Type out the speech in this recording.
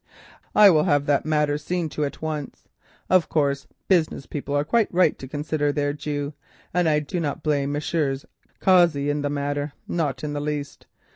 "I will have that matter seen to at once. Of course, business people are quite right to consider their due, and I do not blame Messrs. Cossey in the matter, not in the least.